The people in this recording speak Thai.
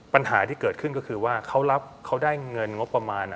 ปัญหาที่เกิดขึ้นก็คือว่าเขารับเขาได้เงินงบประมาณ